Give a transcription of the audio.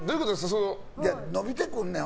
伸びてくんねん。